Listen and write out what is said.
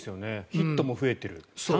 ヒットは増えている。